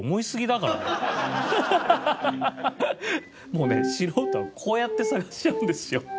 もうね素人はこうやって探しちゃうんですよ。